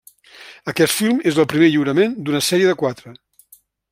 Aquest film és el primer lliurament d'una sèrie de quatre.